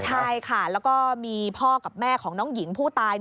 ใช่ค่ะแล้วก็มีพ่อกับแม่ของน้องหญิงผู้ตาย